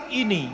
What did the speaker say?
saya akan menang